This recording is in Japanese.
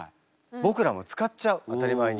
僕らも使っちゃう当たり前に。